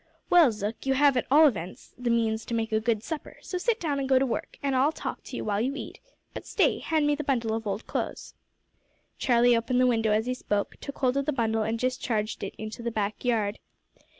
"Well, Zook, you have at all events the means to make a good supper, so sit down and go to work, and I'll talk to you while you eat, but, stay, hand me the bundle of old clothes." Charlie opened the window as he spoke, took hold of the bundle, and discharged it into the back yard.